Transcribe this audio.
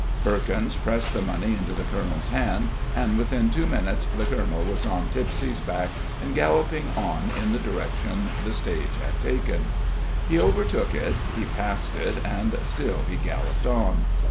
Perkins pressed the money into the colonel's hand, and within two minutes the colonel was on Tipsie's back, and galloping on in the direction the stage had taken. He overtook it, he passed it, and still he galloped on.